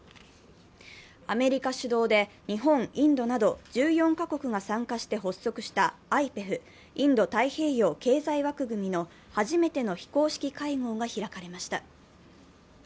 アメリカ主導で日本、インドなど１４カ国が参加して発足したＩＰＥＦ＝インド太平洋経済枠組みの初めての非公式会合が開かれました。